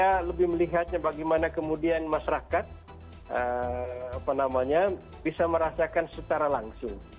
kita lebih melihatnya bagaimana kemudian masyarakat bisa merasakan secara langsung